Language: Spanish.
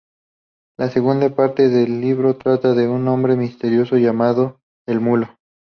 La segunda parte del libro trata de un hombre misterioso llamado El Mulo.